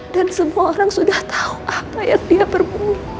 dan semua orang sudah tahu apa yang dia perlu berbuah